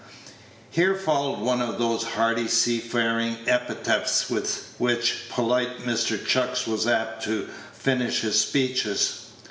Here followed one of those hearty seafaring epithets with which polite Mr. Chucks was apt to finish his speeches.